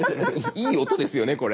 いい音ですよねこれ。